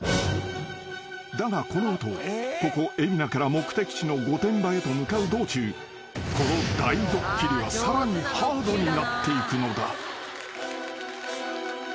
［だがこの後ここ海老名から目的地の御殿場へと向かう道中この大・ドッキリはさらにハードになっていくのだ］